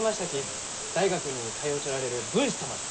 大学に通うちょられる文士様じゃ！